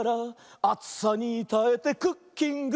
「あつさにたえてクッキング」